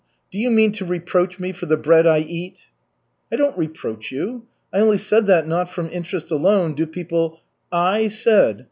"Do you mean to reproach me for the bread I eat?" "I don't reproach you. I only said that not from interest alone do people " "'I said'!